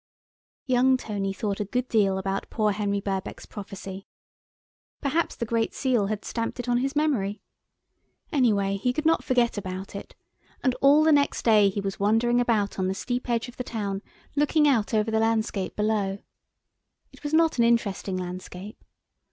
Young Tony thought a good deal about poor Henry Birkbeck's prophecy. Perhaps the Great Seal had stamped it on his memory. Anyway he could not forget it, and all the next day he was wandering about on the steep edge of the town, looking out over the landscape below. It was not an interesting landscape.